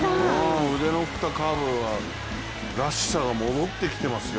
腕の振れたカーブらしさが戻ってきてますよ。